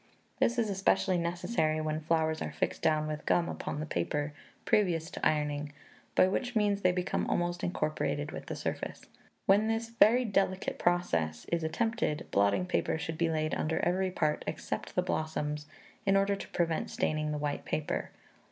This is especially necessary when the flowers are fixed down with gum upon the paper previous to ironing, by which means they become almost incorporated with the surface. When this very delicate process is attempted, blotting paper should be laid under every part excepting the blossoms, in order to prevent staining the white paper.